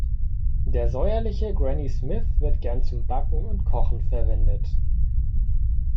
Der säuerliche Granny Smith wird gern zum Backen und Kochen verwendet.